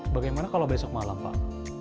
bagaimana kalau besok malam pak